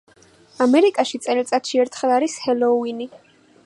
ამერიკაში წელიწადში ერთხელ არის ჰელოუინი.